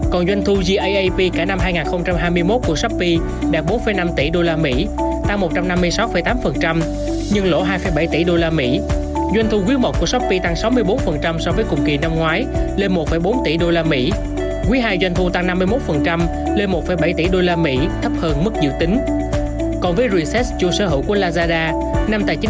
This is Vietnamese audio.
có hiệu lực từ ngày một mươi bảy tháng một mươi hai năm hai nghìn hai mươi một đến ngày hai mươi tháng một mươi năm hai nghìn hai mươi ba